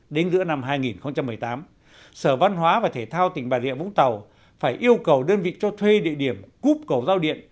đến giữa năm hai nghìn một mươi tám sở văn hóa và thể thao tỉnh bà rịa vũng tàu phải yêu cầu đơn vị cho thuê địa điểm cúp cầu giao điện